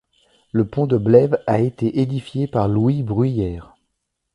Le pont de Blèves a été édifié par Louis Bruyère.